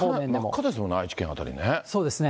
真っ赤ですもんね、そうですね。